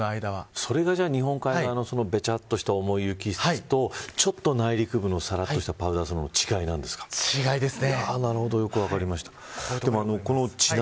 それが日本海側のべちゃっとした重い雪ちょっと内陸部のべたっとしたパウダースノーの違いなんですね。